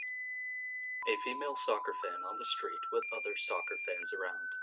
A female soccer fan on the street with other soccer fans around.